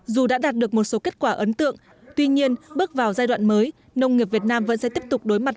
dù đã đạt được một số kết quả ấn tượng tuy nhiên bước vào giai đoạn mới nông nghiệp việt nam vẫn sẽ tiếp tục đối mặt